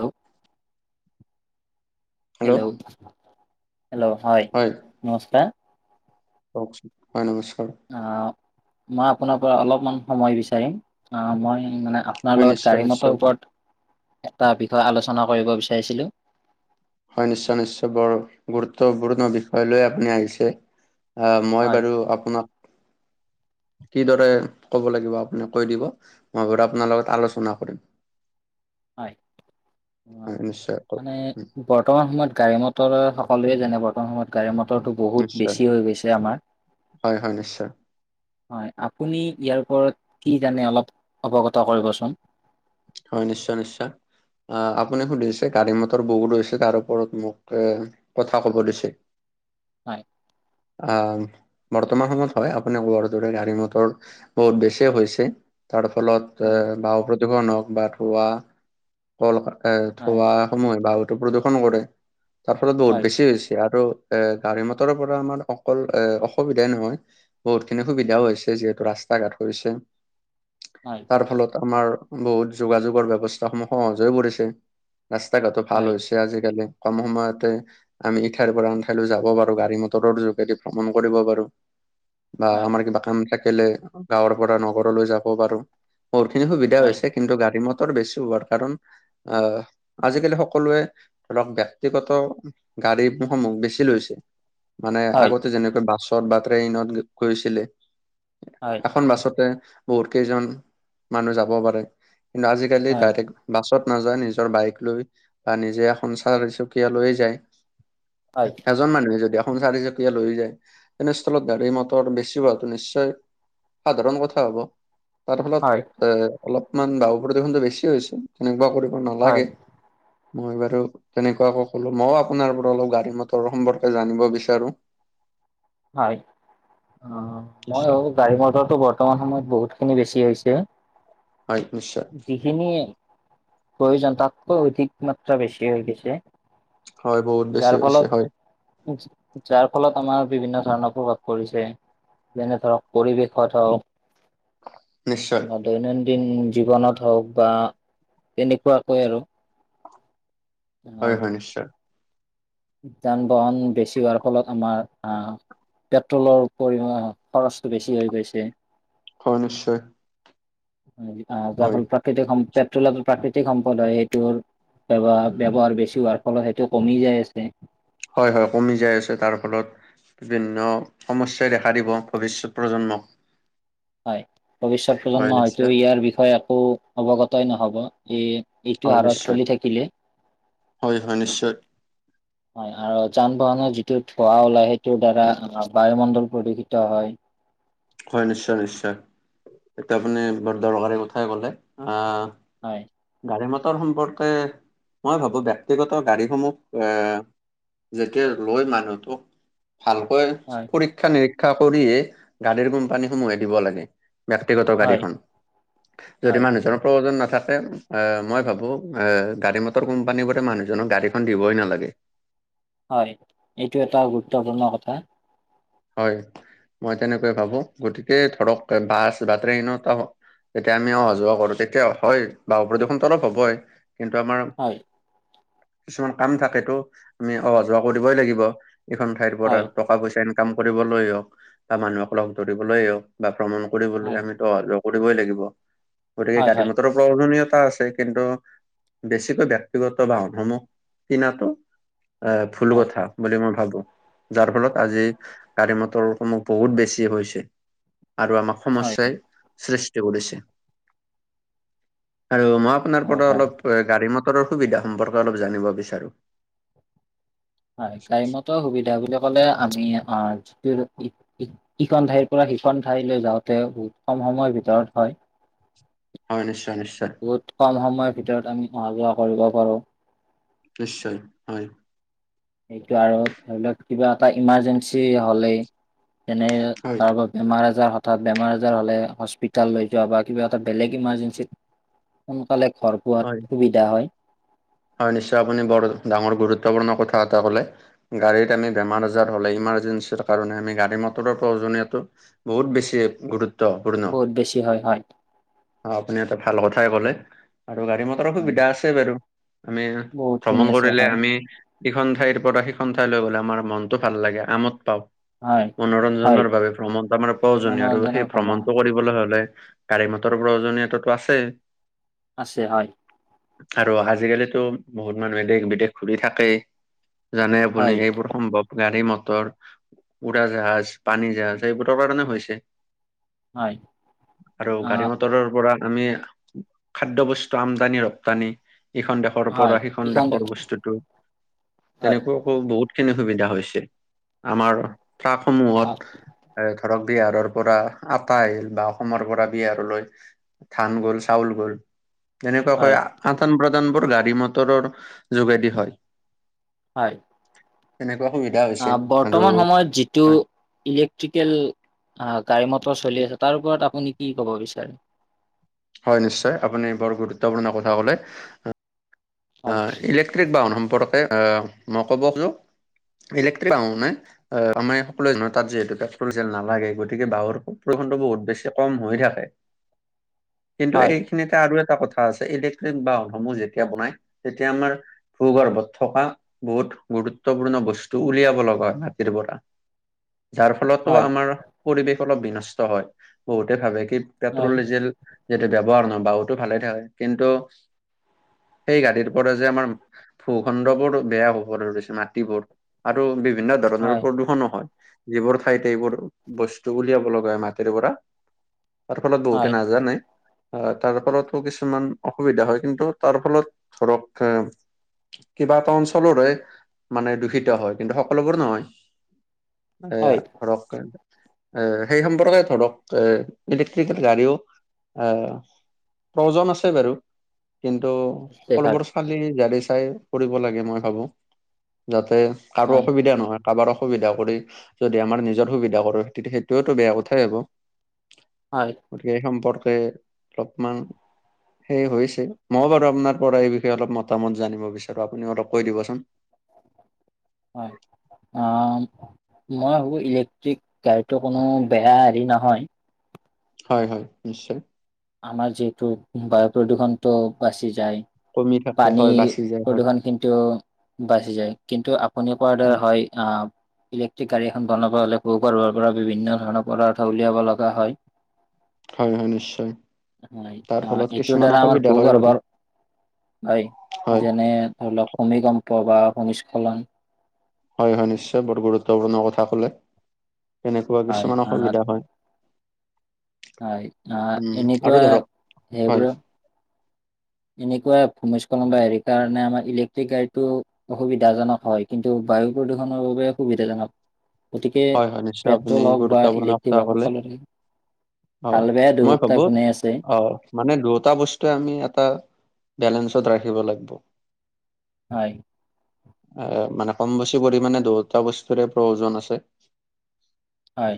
Hello hello hello হয় নমস্কাৰ। কওকচোন হয় নমস্কাৰ আওক, মই আপোনাৰ পৰা অলপমান সময় বিচাৰিম মই মানে আপোনাৰ হয় লগত নিশ্চয় গাড়ী নিশ্চয় মটৰ ওপৰত এটা বিষয়ে আলোচনা কৰিব বিচাৰিছিলোঁ। হয় নিশ্চয় নিশ্চয় বৰ গুৰুত্বপূৰ্ণ বিষয় লৈ আপুনি আহিছে। অ মই হয় বাৰু আপোনাক [unintelligible] কিদৰে কব লাগিব আপুনাক কৈ দিব মই বাৰু আপোনাৰ লগত আলোচনা কৰিম। হয় অ হয় নিশ্চয় কওক মানে উম, বৰ্তমান সময়ত গাড়ী মটৰ সকলোৱে জানে বৰ্তমান সময়ত গাড়ী মটৰটো বহুত নিশ্চয় বেছি হৈ গৈছে আমাৰ হয় হয় নিশ্চয় হয় আপুনি ইয়াৰ ওপৰত কি জানে অলপ অৱগত কৰিবচোন হয় নিশ্চয় নিশ্চয় অ আপুনি সুধিছে গাড়ী মটৰ বহুত হৈছে তাৰ ওপৰত মোক কথা কব দিছে। হয় অ বৰ্তমান সময়ত হয় আপুনি কোৱাৰ দৰে গাড়ী মটৰ বহুত বেছি হৈছে তাৰ ফলত এ হয় বায়ু প্ৰদূষণ হওক বা ধোৱা কল এ হয় ধোৱা সময় বায়ু প্ৰদূষণ কৰে তাৰ ফলত বহুত হয় বেছি হৈছে আৰু এ গাড়ী মটৰৰ পৰা আমাৰ অকল এ অসুবিধাই নহয় বহুতখিনি সুবিধাও হৈছে যিহেতু ৰাস্তা ঘাট হৈছে। হয় তাৰ ফলত আমাৰ বহুত যোগাযোগৰ ব্যৱস্থাসমূহ সহজ হৈ পৰিছে ৰাস্তা ঘাটো ভাল হয় হৈছে আজিকালি কম সময়তে আমি ইঠাইৰ পৰা আনঠাইলৈ যাব পাৰো গাড়ী মটৰৰ যোগেদি ভ্ৰমণ কৰিব পাৰো বা হয় আমাৰ কিবা কাম থাকিলে গাঁৱৰ পৰা নগৰলৈ যাব পাৰো বহুত খিনি সুবিধা হয় হৈছে। কিন্তু গাড়ী মটৰ বেছি হোৱাৰ কাৰণ আহ আজিকালি সকলোৱে ধৰক ব্যক্তিগত গাড়ীসমূহ বেছি লৈছে। মানে হয় আগতে যেনেকৈ বাছত বা ট্ৰেইনত গৈছিলে। হয় এখন বাছতে বহুত কেইজন মানুহ যাব পাৰে কিন্তু আজিকালি ডাইৰেক্ট বাছত নাযায় নিজৰ বাইক লৈ বা নিজে স চাৰি চকীয়া লৈয়ে যায়। হয় এজন মানুহে যদি এখন চাৰিচকীয়া লৈ যায় তেনেস্থলত গাড়ী মটৰ বেছি হোৱাটো নিশ্চয় সাধাৰণ কথা হ'ব তাৰ হয় ফলত এ অলপমান বায়ু প্ৰদূষণটো বেছি হৈছে তেনেকুৱা কৰিব হয় নালাগে। মই বাৰু তেনেকুৱাকো ক'লো মই আপোনাৰ পৰা অলপ গাড়ী মটৰ সম্পৰ্কে জানিব বিচাৰো। [unintelligible] হয় অ ময়ো নিশ্চয়। গাড়ী মটৰটো বৰ্তমান সময়ত বহুতখিনি বেছি হৈছে। হয় নিশ্চয়। এনে প্ৰয়োজন তাতকৈও অধিক মাত্ৰা বেছি হৈ গৈছে হয় বহুত বেছি যাৰ হৈছে হয় ফলত। যাৰ ফলত আমাৰ বিভিন্ন ধৰণৰ প্ৰভাৱ পৰিছে। যেনে ধৰক পৰিৱেশত হওঁক নিশ্চয় বা দৈনন্দিন জীৱনত হওঁক বা তেনেকুৱাকৈ আৰু আহ হয় হয় নিশ্চয়। যান -বাহন বেছি হোৱাৰ ফলত আমাৰ আহঁ। পেট্ৰলৰ পৰিমাণ খৰচটো বেছি হৈ গৈছে। হয় নিশ্চয়। যাৰ হয় ফল প্ৰাকৃতিক সম পেট্ৰলিয়ামৰ প্ৰাকৃতিক সম্পদ হয় সেইটো। ব্যৱহাৰ বেছি হোৱাৰ ফলত সেইটো কমি যাই আছে। হয় হয় কমি যাই আছে তাৰ ফলত বিভিন্ন সমস্যাই দেখা দিব ভৱিষ্যত প্ৰজন্মক। হয় ভৱিষ্যত হয় প্ৰজন্ম হয়তো নিশ্চয় ইয়াৰ বিষয়ে একো অৱগতই নহ'ব এ হয় নিশ্চয় হয় হয় নিশ্চয়। হয় আৰু যান বাহনৰ যিটো ধোঁৱা ওলায় সেইটোৰ দ্বাৰা আমাৰ বায়ুমণ্ডল প্ৰদূষিত হয়। হয় নিশ্চয় নিশ্চয় এইটো আপুনি বৰ দৰকাৰী কথাই ক'লে আহ হয়। গাড়ী মটৰ সম্পৰ্কে মই ভাবো ব্যক্তিগত গাড়ীসমূহ এ। যেতিয়া লৈ মানুহটো। ভালকৈ হয় পৰীক্ষা নিৰীক্ষা কৰিয়ে গাড়ীৰ কোম্পানী সমূহে দিব লাগে। ব্যক্তিগত হয় গাড়ীখন যদি হয় মানুহজনৰ প্ৰয়োজন নাথাকে। অঁ মই ভাবো গাড়ী মটৰ কোম্পানী বোৰে মানুহজনক গাড়ীখন দিবই নালাগে। হয় এইটো এটা গুৰুত্বপূৰ্ণ কথা। হয় মই তেনেকৈ ভাবো গতিকে ধৰক বাছ বা ট্ৰেইনত হওঁক তেতিয়া আমি অহা যোৱা কৰো তেতিয়া হয় বা প্ৰদূষণটো অলপ হ'বই। কিন্তু আমাৰ হয় কিছুমান কাম থাকেতো আমি অহা যোৱা কৰিবই লাগিব। এইখন ঠাইৰ পৰা হয় টকা পইচাই এ- কাম কৰিবলৈ হওঁক বা মানুহক লগ ধৰিবলৈ হওঁক বা ভ্ৰমণ কৰিবলৈ হয় আমি ত ল- কৰিবই লাগিব গতিকে হয় গাড়ী হয় মটৰৰ প্ৰয়োজনীয়তা আছে। কিন্তু বেছিকৈ ব্যক্তিগত বা অধমো কিনাটো এ ফুলো হয় কথা বুলি মই ভাবো। যাৰ ফলত আজি গাড়ী মটৰ সমূহ বহুত বেছি হৈছে আৰু আমাৰ হয় সমস্যাৰ সৃষ্ট- কেও কৰিছে আৰু মই আপোনাৰ হয় পৰা হয় অলপ গাড়ী মটৰৰ সুবিধা সম্পৰ্কে অলপ জানিব বিচাৰো। হয় গাড়ী মতৰ সুবিধা বুলি কলে আমি অ যিটোৰ [unintelligible] সিখন ঠাইৰ পৰা সিখন ঠাইলৈ যাওঁতে বহুত কম সময়ৰ ভিতৰত হয়। হয় নিশ্চয় নিশ্চয়। বহুত কম সময়ৰ ভিতৰত আমি অহা যোৱা কৰিব পাৰোঁ। নিশ্চয় হয়। সেইটো আৰু ধৰি লওঁক কিবা এটা ইমাৰজেঞ্চি হলেই যেনে হয় তাৰ বাব- বেমাৰ আজাৰ হঠাৎ বেমাৰ আজাৰ হ'লে হস্পিতাল লৈ যোৱা বা কিবা এটা বেলেগ ইমাৰজেঞ্চিত সোনকালে ঘৰ পোৱাত হয় সুবিধা হয়। হয় নিশ্চয় আপুনি বৰ ডাঙৰ গুৰুত্বপূৰ্ণ কথা এটা ক'লে। গাড়ীত আমি বেমাৰ আজাৰ হ'লে ইমাৰ্জেঞ্চিৰ কাৰণে আমি গাড়ী মটৰৰ প্ৰয়োজনীয়টো। বহুত বেছি গুৰুত- তপূৰ্ণ বহুত বেছি হয় হয় অ আপুনি এটা ভাল কথাই কলে আৰু গাড়ী মত- অ হয় সুবিধা আছে বাৰু আমি বহুতখিনি ভ্ৰমণ আছে কৰিলে হয় আমি ইখন ঠাইৰ পৰা সিখন ঠাইলৈ গলে আমাৰ মনটো ভাল লাগে আমদ পাওঁ। হয় হয় মনোৰঞ্জনৰ বাবে ভ্ৰমণটো আমাৰ প্ৰয়োজনীয় আৰু মনোৰঞ্জনৰ সেই ভ্ৰমণ ভ্ৰমণতটো কৰিব হ'বলৈ হলে গাড়ী মটৰ প্ৰয়োজনীয়তো আছে। আছে হয়। আৰু আজিকালিতো বহুত মানুহে দেশ বিদেশ ঘূৰি থাকে। জানে হয় আপুনি এইবোৰ সম্ভৱ। গাড়ী মটৰ, উৰা জাহাজ, পানী জাহাজ এইবোৰৰ কাৰণে হৈছে। হয় আৰু গাড়ী আহ মটৰৰ পৰা। আমি, খাদ্য বস্তু আমদানি ৰপ্তানি, এইখন দেশ- শৰ পৰা হয় সেখন এইখন দেশৰ বস্তুতটো, হয় তেনেকুৱাকো বহুতখিনি সুবিধা হৈছে। আমাৰ আহ ফ্ৰাকসমূহত। এ ধৰক বিহাৰৰ পৰা আটা আহিল বা অসমৰ পৰা বিহাৰলৈ। ধান গ'ল, চাউল গ'ল। তেনেকুৱাকৈ হয় আদান প্ৰদানবোৰ গাড়ী মটৰৰ, যোগেদি হয়। হয়। তেনেকুৱা সুবিধা হয়। হৈছে আহ আৰু বৰ্তমান সময়ত যিটো। ইলেক্ট্ৰিকেল, গাড়ী মটৰ চলি আছে তাৰ ওপৰত আপুনি কি ক'ব বিচাৰে। হয় নিশ্চয় আপুনি বৰ গুৰুত্বপূৰ্ণ কথা ক'লে। হয় ইলেক্ট্ৰিক বাহন সম্পৰ্কে মই ক'ব খোজোঁ ইলেক্ট্ৰিক বাহনে। অ আমাৰ সকলো ধৰণৰ তাত যিহেতু পেট্ৰল ডিজেল নালাগে গতিকে বাহৰ প্ৰদূষণটো বহুত বেছি কম হৈ থাকে। [inaudible] কিন্তু এইখিনিতে আৰু এটা কথা আছে ইলেক্ট্ৰনিক বাহনসমূহ যেতিয়া বনাই। তেতিয়া আমাৰ। ভূগৰ্ভত থকা বহুত গুৰুত্বপূৰ্ণ বস্তু উলিয়াব লগা হয় মাটিৰ পৰা। যাৰ ফলতো আমাৰ পৰিৱেশ অলপ বিনষ্ট হয় বহুতে ভাবে কি। পেট্ৰল ডিজেল, যিটো ব্যৱহাৰ নহয় বাহুতো ভালে থাকে কিন্তু, সেই গাড়ীৰ। পৰে যে আমাৰ, ভূখণ্ড বোৰ বেয়া হ'ব ধৰিছে মাটিবোৰ। আৰু বিভিন্ন ধৰণৰ প্ৰদূষণো হয়। যিবোৰ ঠাইতে এইবোৰ, বস্তু উলিয়াব লগা হয় মাটিৰ পৰা। তাৰ ফলত বহুতে নাজানে আহ তাৰ ফলতো কিছুমান অসুবিধা হয় কিন্তু তাৰ ফলত, ধৰক [unintelligible] কিবা এটা অঞ্চলৰে, মানে দূষিত হয় কিন্তু সকলোবোৰ নহয়। এ ফ্ৰক [unintelligible] আহ সেই সম্পৰ্কে ধৰক এ ইলেক্ট্ৰিকেল গাড়ীও আহ। প্ৰয়জন আছে বাৰু কিন্তু। খালি জাৰি চাই কৰিব লাগে মই ভাবো যাতে কাৰো অসুবিধা নহয়। কাৰোবাৰ অসুবিধা কৰি যদি আমাৰ নিজৰ সুবিধা কৰো তেতিয়া সেইটোয়ো বেয়া কথাই হ'ব। হয়। গতিকে এই সম্পৰ্কে অলপমান সেই হৈছে মই বাৰু আপোনাৰ। পৰা এই বিষয়ে অলপ মতামত জানিব বিচাৰো আপুনি অলপ কৈ দিবচোন। হয়, অ। মই ভাবো ইলেক্ট্ৰিক গাড়ীতো কোনো বেয়া হেৰি নহয়। হয় হয় নিশ্চয়। আমাৰ যিহেতু বায়ু প্ৰদূষণটো বাচি যায়। কমি থাকে পানী হয় বাচি যায় হয় প্ৰদূষণ কিন্তু, বাঢ়ি যায় কিন্তু আপুনি কোৱাৰ উম, দাৰা হয় আহ। ইলেক্ট্ৰিক গাড়ী এখন বনাব হলে ভূগৰ্ভৰ পৰা বিভিন্ন ধৰণৰ পদাৰ্থ উলিয়াব লগা হয়। হয় হয় নিশ্চয়। হয় তাৰ অ ফলত এইটো কিছুমান দ্বাৰা আমাৰ অসুবিধা হয় বাৰু ভূগৰ্ভৰ, হয় হয় যেনে। ধৰি লওক ভূমিকম্প বা ভূমিস্খলন। হয় হয় নিশ্চয় বহুত গুৰুত্বপূৰ্ণ কথা কলে এনেকুৱা হয় কিছুমান আহ অসুবিধা হয়। হয় অ উম এনেকুৱা আৰু ধৰক হয় সেইবোৰো, এনেকুৱা ভূমিস্খলন বা হেৰি কাৰণে আমাৰ ইলেক্ট্ৰিক গাড়ীটো। অসুবিধাজনক হয় কিন্তু বায়ু প্ৰদূষণৰ বাবে সুবিধাজনক, গতিকে হয় হয় নিশ্চয় আপুনি পেট্ৰল হওক বা গুৰুত্বপূৰ্ণ ইলেক্ট্ৰিক কথা হওক ক'লে সকলোৰ, অ ভাল বেয়া মই দুয়োটা ভাবো গুনেই আছে। অ মানে দুয়োটা বস্তুৱে আমি এটা বেলেঞ্চত ৰাখিব লাগিব। হয়। এ মানে কম বেছি পৰিমাণে দুয়টা বস্তুৰে প্ৰয়োজন আছে। [inaudible] হয়।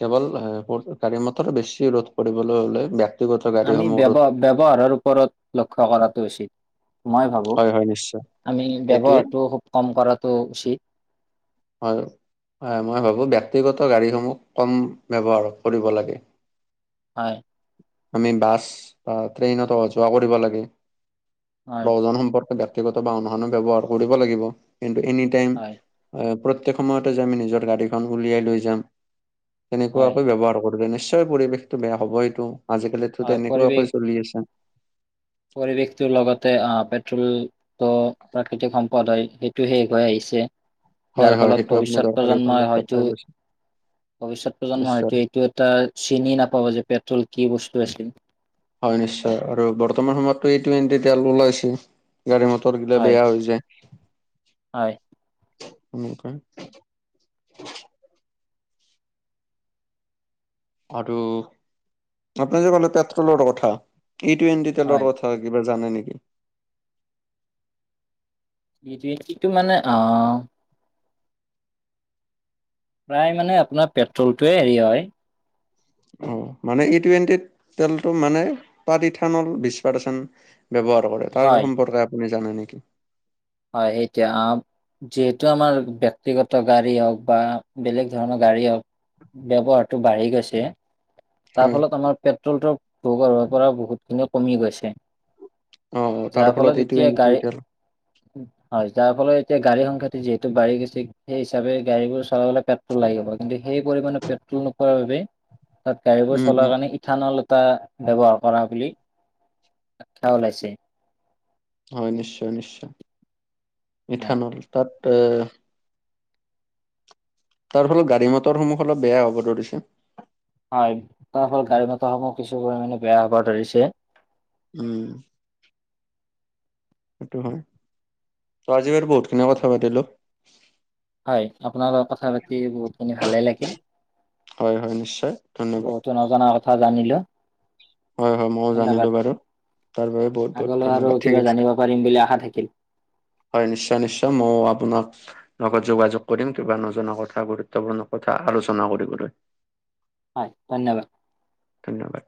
কেৱল গাড়ী মতৰ বেছি ৰোধ কৰিবলৈ হলে। ব্যক্তিগত আমি গাড়ীসমূহ ৰোধ ব্যয় ব্যৱহাৰৰ ওপৰত লক্ষ্য কৰাটো উচিত। মই ভাবো হয় হয় নিশ্চয় আমি সেইটোৱে ব্যবহাৰটো খুব কম কৰাটো উচিত। হয়-হয় মই ভাবো ব্যক্তিগত গাড়ীসমূহ কম ব্যৱহাৰ কৰিব লাগে। হয়। আমি বাছ বা ট্ৰেইনত অহা যোৱা কৰিব লাগে হয়, প্ৰয়োজন সম্পৰ্ক। ব্যক্তিগত বাহনখনো ব্যৱহাৰ কৰিব লাগিব, কিন্তু এনি টাইম হয়, অ, প্ৰত্যেক সময়তে যে আমি নিজৰ গাড়ীখন উলিয়াই লৈ যাম। হয়, তেনেকুৱাকৈ ব্যয়ৱহাৰ কৰিলে নিশ্চয় পৰিৱেশটো বেয়া হব সেটো আজিকালি টো হয়। পৰিৱেশ তেনেকুৱাকৈ চলি আছে। পৰিৱেশটোৰ লগতে অ পেট্ৰল ত প্ৰাকৃতিক সম্পদ, পদ হয় সেইটো শেষ হৈ আহিছে। হয়, যাৰ হয় ফলত সেইটো আপুনি ভৱিষ্যত দৰকাৰী প্ৰজন্মই ফলত হয়তো। কথাই কৈছে ভৱিষ্যত প্ৰজন্ম নিশ্চয় হয়টো এইটো এটা চিনি নাপাব যে পেট্ৰল কি বস্তু আছিল। হয়, নিশ্চয় আৰু বৰ্তমান সময়তো ই টুৱেন্টি তেল ওলাইছি গাড়ী মটৰ গিলা হয় বেয়া হৈ যায়। [inaudible] হয়। এনোকা আৰু আপোনি যে কলে পেট্ৰলৰ কথা ই টোৱেটি তেলৰ কথা। হয়, কিবা জানে নেকি? ই টুৱেন্টি মানে অহ, প্ৰায় মানে আপোনাৰ পেট্ৰলটোয়ে হেৰি হয়। অ, মানে ই টুৱেণ্টিত তেলটো মানে ইথানল বিছ পাৰচেণ্ট ব্যৱহাৰ কৰে তাৰ হয় সম্পৰ্কে আপুনি জানে নেকি? হয়। সেইতিয়া আ, যিহেতু আমাৰ ব্যক্তিগত গাড়ী হওক বা বেলেগ ধৰণৰ গাড়ী হওক, ব্যৱহাৰটো বাঢ়ি গৈছে। তাৰ হয় ফলত আমাৰ পেট্ৰলটোৰ ভোগ আৰু পৰা বহুতখিনি কমি গৈছে। অ', তাৰ যাৰ ই ফলত এতিয়া টুৱেণ্টি গাড়ী তেল হয়, যাৰ ফলত এতিয়া গাড়ী সংখ্যাটো যিহেতু বাঢ়ি গৈছে সেই হিচাপে গাড়ী বোৰ চলাবলে পেট্ৰল লাগিব কিন্তু সেই পৰিমাণে পেট্ৰল নোপোৱাৰ বাবে তাত গাড়ীবোৰ উম, চলাৰ উম কাৰণে ইথানল টা ব্যৱহাৰ কৰা বুলি আখ্যা ওলাইছে। হয়, নিশ্চয়-নিশ্চয় হয় ইথানল তাত তাৰ ফলত গাড়ী মটৰসমূহ অলপ বেয়া হ'ব ধৰিছে। হয়, তাৰ ফল গাড়ী মতৰ সমূহ কিছু পৰিমাণে বেয়া হব ধৰিছে। উম, সেইটো হয়, ত আজি বহুতখিনিযে কথা পাতিলো। হয়, আপোনাৰ লগত কথা পাতি বহুতখিনি ভালে লাগিল। হয় হয় নিশ্চয় ধন্যবাদ। নজনা কথা জানিলো। হয়-হয় ময়ো ধন্যবাদ জানিলোঁ বাৰু তাৰ বাবে বহুত-বহুত আগলৈ আৰু ধন্যবাদ ঠিক কিবা আছে। জানিব পাৰিম বুলি আশা থাকিল হয়, নিশ্চয়-নিশ্চয় মই আপোনাক লগত যোগাযোগ কৰিম কিবা নজনা কথা গুৰুত্বপূৰ্ণ কথা আলোচনা কৰিবলৈ। হয়, ধন্যবাদ। ধন্যবাদ।